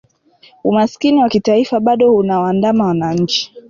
umasikini wa kitaifa bado unawaandama wananchi